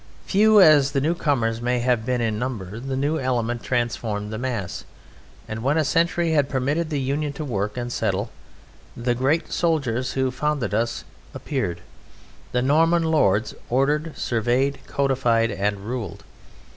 Few as the newcomers may have been in number, the new element transformed the mass, and when a century had permitted the union to work and settle, the great soldiers who founded us appeared. The Norman lords ordered, surveyed, codified, and ruled.